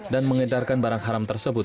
dan mengedarkan barang haram tersebut